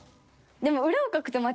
でも。